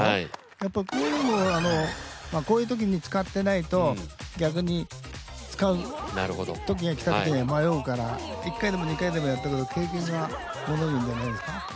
やっぱりこういうのをこういうときに使ってないと逆に使うときが来たときには迷うから１回でも２回でもやっとくと経験が物を言うんじゃないですか。